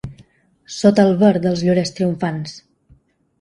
Sota el verd dels llorers triomfants!